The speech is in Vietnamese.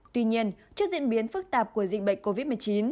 tuy nhiên trước diễn biến phức tạp của dịch bệnh covid một mươi chín